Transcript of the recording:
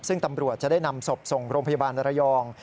ซึ่งตำรวจจะได้นำศพส่งโรงพยาบาลระยอง